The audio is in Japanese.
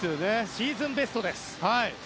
シーズンベストです。